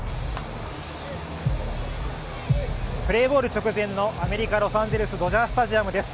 プレーボール直前のアメリカ・ロサンゼルス、ドジャースタジアムです。